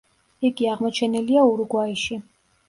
იგი აღმოჩენილია ურუგვაიში.